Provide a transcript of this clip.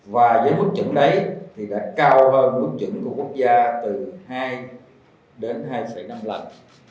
và với bức chủng đấy thì đã cao hơn bức chủng của quốc gia từ hai đến hai năm lần